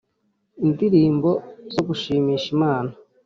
Indirimbo zo gushimisha Imana